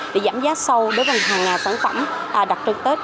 để giảm giá sâu đối với mặt hàng sản phẩm đặc trưng tết